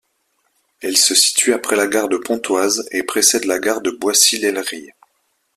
Elle se situe après la gare de Pontoise et précède la gare de Boissy-l'Aillerie.